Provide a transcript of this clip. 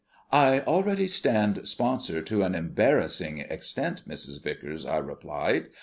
"I already stand sponsor to an embarrassing extent, Mrs. Vicars," I replied.